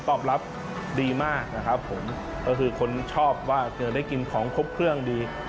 ตอบรับดีมากนะครับผมก็คือคนชอบว่าจะได้กินของครบเครื่องดี